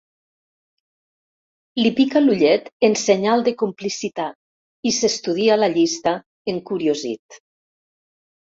Li pica l'ullet en senyal de complicitat i s'estudia la llista, encuriosit.